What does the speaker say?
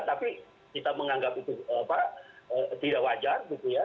tapi kita menganggap itu tidak wajar gitu ya